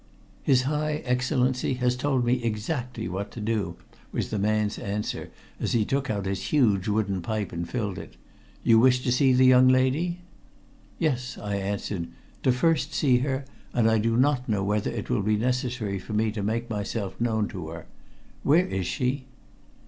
"His high Excellency has told me exactly what to do," was the man's answer, as he took out his huge wooden pipe and filled it. "You wish to see the young lady?" "Yes," I answered, "to first see her, and I do not know whether it will be necessary for me to make myself known to her. Where is she?"